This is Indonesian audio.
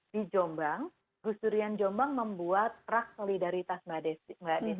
di jombang gus durian jombang membuat traks solidaritas mgadesi